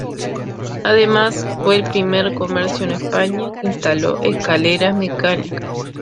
Además, fue el primer comercio en España que instaló escaleras mecánicas.